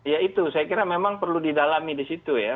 ya itu saya kira memang perlu didalami di situ ya